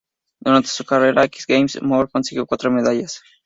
Durante su carrera X Games, Moore consiguió cuatro medallas.